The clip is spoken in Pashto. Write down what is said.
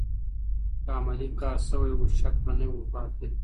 که عملي کار سوی و، شک به نه و پاتې.